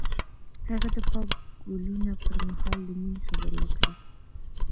هغه د پاک ګلونه پر مهال د مینې خبرې وکړې.